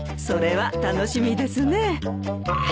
それは楽しみですね。